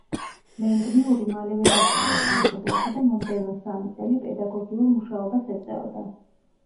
ლენგმიური მალევე დაბრუნდა სამშობლოში და მომდევნო სამი წელი პედაგოგიურ მუშაობას ეწეოდა.